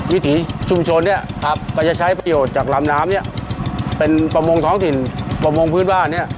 วิถีชุมชนเนี่ยครับก็จะใช้ประโยชน์จากลำน้ำเนี่ยเป็นประมงท้องถิ่นประมงพื้นบ้านเนี่ย